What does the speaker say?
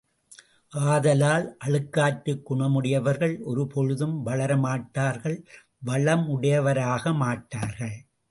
ஆதலால், அழுக்காற்றுக் குணமுடையவர்கள் ஒரு பொழுதும் வளரமாட்டார்கள் வளமுடையவராக மாட்டார்கள்.